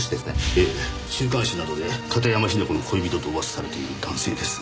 ええ週刊誌などで片山雛子の恋人と噂されている男性です。